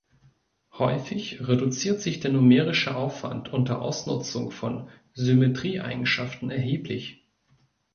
Häufig reduziert sich der numerische Aufwand unter Ausnutzung von Symmetrieeigenschaften erheblich.